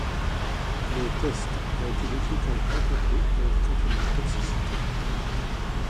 Le test a été décrit comme incomplet et indiquant une toxicité.